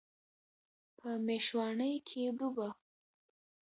په میشواڼۍ کې ډوبه